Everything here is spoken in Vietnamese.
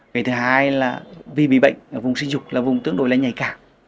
cái thứ hai là vì bị bệnh vùng sinh dục là vùng tương đối nhảy cảm